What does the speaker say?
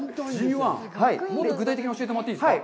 Ｚ−１、具体的に教えてもらってもいいですか。